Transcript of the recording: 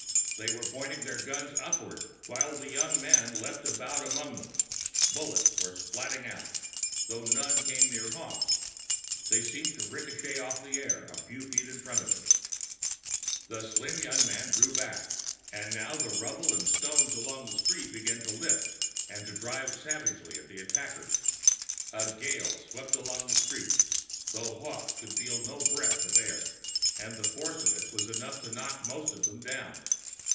The men were pointing their guns upwards, while the young man leaped about among them. Bullets were splatting out, though none came near Hawkes. They seemed to ricochet off the air a few feet in front of him. The slim young man drew back. And now, the rubble and stones along the street began to lift, and to drive savagely at the attackers. A gale swept along the street, though Hawkes could feel no breath of air, and the force of it was enough to knock most of them down.